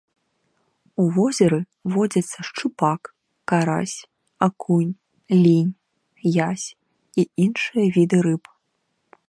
У возеры водзяцца шчупак, карась, акунь, лінь, язь і іншыя віды рыб.